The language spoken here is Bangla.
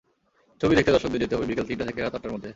ছবি দেখতে দর্শকদের যেতে হবে বিকেল তিনটা থেকে রাত আটটার মধ্যে।